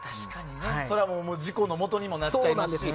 それは事故のもとにもなっちゃいますし。